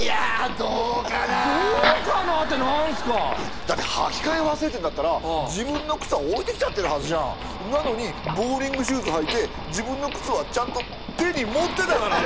「どうかな」って何すかいやだって履き替え忘れてんだったら自分の靴は置いてきちゃってるはずじゃんなのにボウリングシューズ履いて自分の靴はちゃんと手に持ってたからね